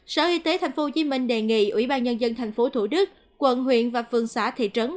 sở y tế tp hcm đề nghị ủy ban nhân dân tp thủ đức quận huyện và phường xã thị trấn